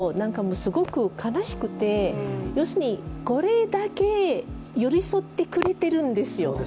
こういうふうに見ていると、すごく悲しくて、要するにこれだけ寄り添ってくれてるんですよ。